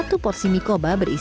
satu porsi mie goba berbeda